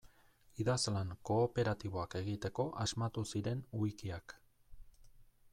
Idazlan kooperatiboak egiteko asmatu ziren wikiak.